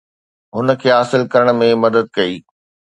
هن کي حاصل ڪرڻ ۾ مدد ڪئي